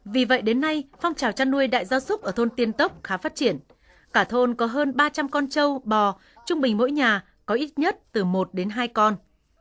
vì vậy đến nay phong trào chăn nuôi đại gia súc ở thôn tiên tốc khá phát triển cả thôn có hơn ba trăm linh con trâu bò trung bình mỗi nhà có ít nhất từ một đến hai con